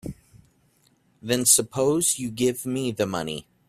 Then suppose you give me the money.